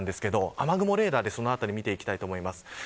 雨雲レーダーで、そのあたりを見ていきたいと思います。